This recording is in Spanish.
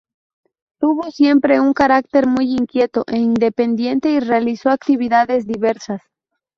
Tuvo siempre un carácter muy inquieto e independiente, y realizó actividades diversas.